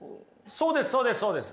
そうですそうですそうです。